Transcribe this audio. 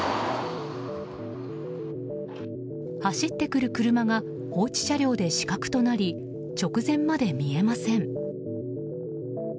走ってくる車が放置車両で死角となり直前まで見えません。